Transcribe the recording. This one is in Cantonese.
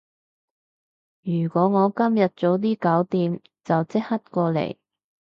如果我今日早啲搞掂，就即刻過嚟